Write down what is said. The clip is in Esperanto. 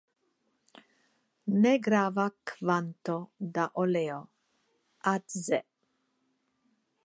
Negrava kvanto da oleo (Adze).